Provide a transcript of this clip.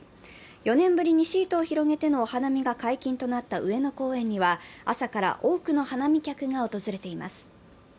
４年ぶりにシートを広げてのお花見が解禁となった上野公園では、朝から多くの花見客が訪れています。